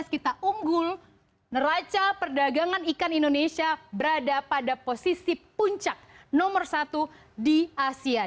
kita unggul neraca perdagangan ikan indonesia berada pada posisi puncak nomor satu di asia